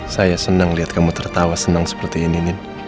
saya senang lihat kamu tertawa senang seperti ini